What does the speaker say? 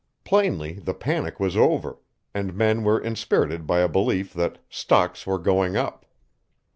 Plainly the panic was over, and men were inspirited by a belief that "stocks were going up."